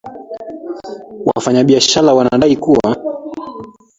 Wafanyabiashara wanadai kuwa